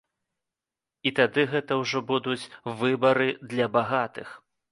І тады гэта ўжо будуць выбары для багатых.